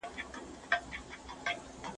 ربه ستا شکر ګزار وومه او یم